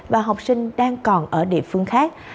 và học sinh đang còn ở địa phương khác